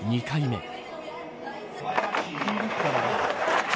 ２回目。